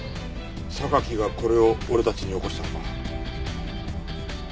榊がこれを俺たちに寄越したのか？